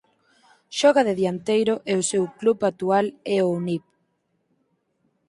Xoga de dianteiro e o seu club actual é o Univ.